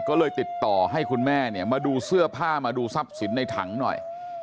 ก็เลยติดต่อให้คุณแม่เนี่ยมาดูเสื้อผ้ามาดูทรัพย์สินในถังหน่อย